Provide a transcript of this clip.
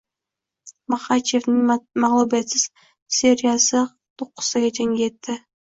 Maxachevning mag‘lubiyatsiz seriyasito´qqizta jangga yetdi